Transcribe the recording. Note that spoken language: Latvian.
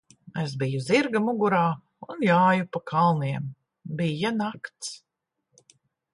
Es biju zirga mugurā un jāju pa kalniem. Bija nakts.